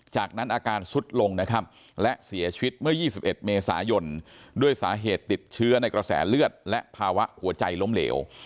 จากนั้นอาการสุดลงนะครับและเสียชีวิตเมื่อ๒๑เมษายนด้วยสาเหตุติดเชื้อในกระแสเลือดและภาวะหัวใจล้มเหลว